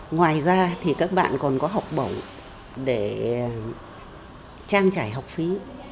ngoài ra thì các bạn còn có học bổng để trang trải học phí